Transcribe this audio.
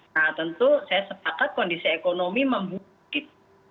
nah tentu saya sepakat kondisi ekonomi membuat